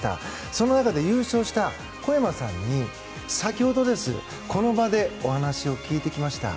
その中で優勝した小山さんに先ほどこの場でお話を聞いてきました。